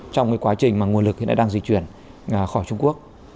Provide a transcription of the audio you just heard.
trong cái quá trình mà nguồn lực hiện đang di chuyển khỏi trung quốc